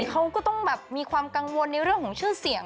เขาก็ต้องแบบมีความกังวลในเรื่องของชื่อเสียง